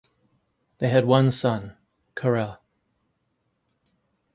They had one son, Karel.